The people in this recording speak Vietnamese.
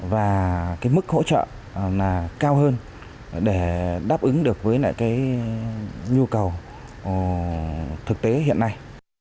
và cái mức hỗ trợ là cao hơn để đáp ứng được với lại cái nhu cầu thực tế hiện nay